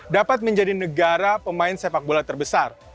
dapat menjadi negara pemain sepak bola terbesar